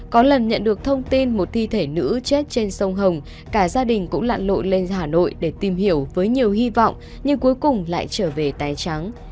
có lần nhận được thông tin một thi thể nữ chết trên sông hồng cả gia đình cũng lạn lội lên hà nội để tìm hiểu với nhiều hy vọng nhưng cuối cùng lại trở về tay trắng